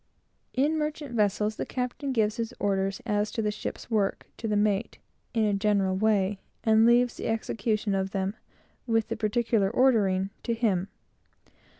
In merchant vessels, the captain gives his orders as to the ship's work, to the mate, in a general way, and leaves the execution of them, with the particular ordering, to him.